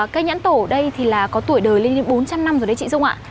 cây nhãn tổ ở đây có tuổi đời lên đến bốn trăm linh năm rồi đấy chị dung ạ